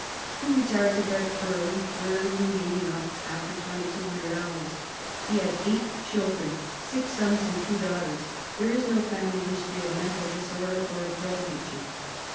He retired to bed early, rarely remaining up after 2200 hours. He had eight children, six sons and two daughters. There is no family history of mental disorder or of drug addiction.